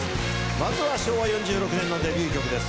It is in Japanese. まずは昭和４６年のデビュー曲です。